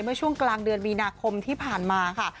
เมื่อช่วงกลางเดือนมีนาคมที่ผ่านมาค่ะ